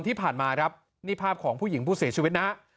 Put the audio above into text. ที่ผ่านมาครับนี่ภาพของผู้หญิงผู้เสียชีวิตนะฮะ